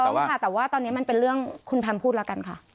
ต้องค่ะแต่ว่าตอนนี้มันเป็นเรื่องคุณแพมพูดแล้วกันค่ะ